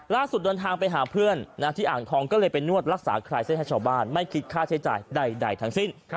เดินทางไปหาเพื่อนที่อ่างทองก็เลยไปนวดรักษาคลายเส้นให้ชาวบ้านไม่คิดค่าใช้จ่ายใดทั้งสิ้น